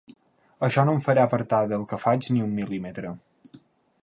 Això no em farà apartar del que faig ni un mil·límetre.